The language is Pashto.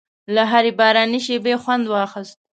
له هرې باراني شېبې خوند واخیست.